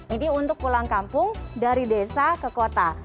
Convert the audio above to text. ini untuk pulang kampung dari desa ke kota